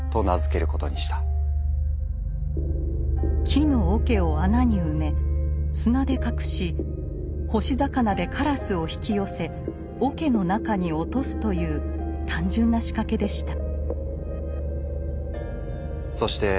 木の桶を穴に埋め砂で隠し干し魚で鴉を引き寄せ桶の中に落とすという単純な仕掛けでした。